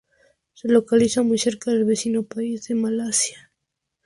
Se localiza muy cerca del vecino país de Malasia.